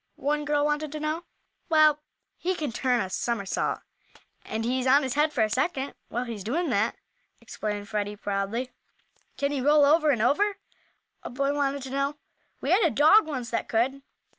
one girl wanted to know. "Well, he can turn a somersault, and he's on his head for a second while he's doing that," explained Freddie, proudly. "Can he roll over and over?" a boy wanted to know. "We had a dog, once, that could."